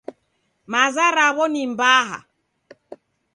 Maza raw'o ni mbaha